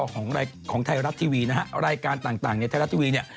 ของไทยรัฐทีวีนะฮะรายการต่างในไทยรัฐทีวีเนี่ย